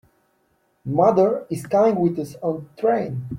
Mother is coming with us on the train.